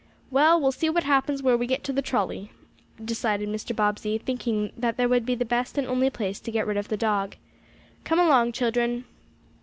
"Well, we'll see what happens where we get to the trolley," decided Mr. Bobbsey, thinking that there would be the best and only place to get rid of the dog. "Come along, children."